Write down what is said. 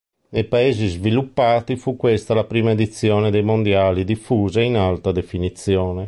Nei paesi sviluppati fu questa la prima edizione dei Mondiali diffusa in alta definizione.